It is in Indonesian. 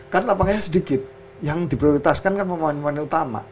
kan lapangannya sedikit yang diprioritaskan kan pemain pemain utama